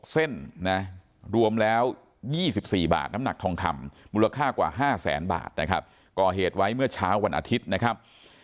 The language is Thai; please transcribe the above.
เส้นนะรวมแล้ว๒๔บาทน้ำหนักทองคำมูลค่ากว่า๕แสนบาทนะครับก่อเหตุไว้เมื่อเช้าวันอาทิตย์นะครับ